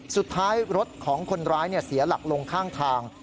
สุดท้ายรถของคนร้ายเสียหลักลงข้างทาง